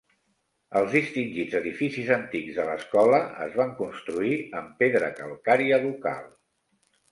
Els distingits edificis antics de l'escola es van construir amb pedra calcària local.